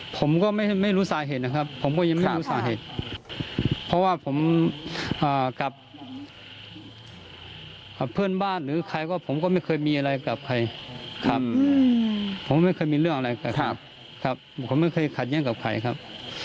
ผมก็ไม่รู้สาเหตุนะครับผมก็ยังไม่รู้สาเหตุเพราะว่าผมกับเพื่อนบ้านหรือใครก็ผมก็ไม่เคยมีอะไรกับใครครับผมไม่เคยมีเรื่องอะไรกันครับผมไม่เคยขัดแย้งกับใครครับ